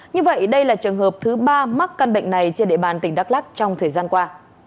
như vậy đây là trường hợp thứ ba mắc căn bệnh này trên địa bàn tỉnh đắk lắc trong thời gian qua